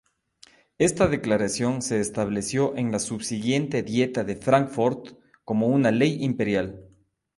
Esta declaración se estableció en la subsiguiente Dieta de Fráncfort como una ley imperial.